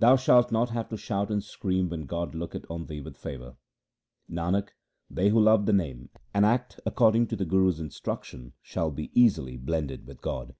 Thou shalt not have to shout and scream when God looketh on thee with favour. Nanak, they who love the Name and act according to the Guru's instruction, shall be easily blended with God.